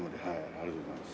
ありがとうございます。